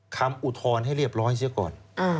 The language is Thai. อุทธรณ์ให้เรียบร้อยเสียก่อน